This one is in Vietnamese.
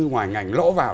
ngoài ngành lỗ vào